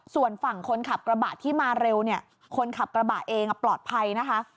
ส่วนฝั่งคนขับกระบะที่มาเร็วเนี่ยคนขับกระบะเองปลอดภัยนะคะ